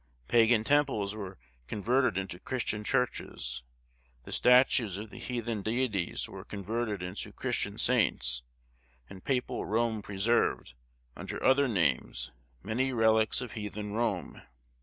Pagan temples were converted into Christian churches; the statues of the heathen deities were converted into Christian saints; and papal Rome preserved, under other names, many relics of heathen Rome.